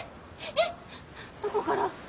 えっどこから？